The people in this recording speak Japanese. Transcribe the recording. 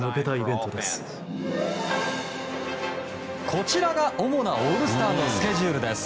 こちらが主なオールスターのスケジュール。